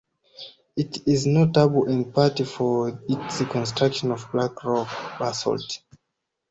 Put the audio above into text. It is notable in part for its construction of black rock (basalt).